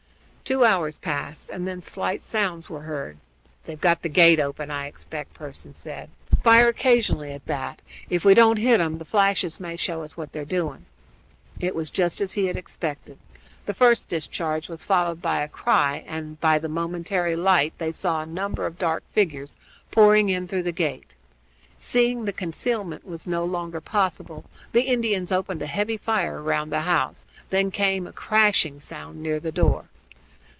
Two hours passed, and then slight sounds were heard. "They've got the gate opened, I expect," Pearson said. "Fire occasionally at that; if we don't hit 'em the flashes may show us what they're doing." It was as he had expected. The first discharge was followed by a cry, and by the momentary light they saw a number of dark figures pouring in through the gate. Seeing that concealment was no longer possible, the Indians opened a heavy fire round the house; then came a crashing sound near the door.